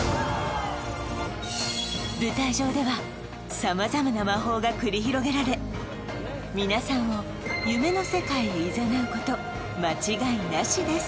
舞台上では様々な魔法が繰り広げられ皆さんを夢の世界へいざなうこと間違いなしです